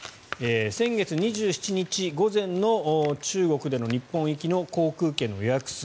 先月２７日午前の、中国での日本行きの航空券の予約数。